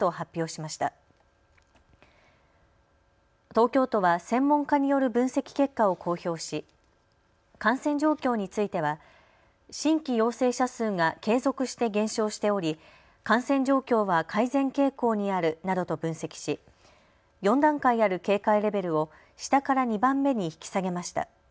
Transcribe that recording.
東京都は専門家による分析結果を公表し感染状況については新規陽性者数が継続して減少しており感染状況は改善傾向にあるなどと分析し４段階ある警戒レベルを下から２番目に引き下げました。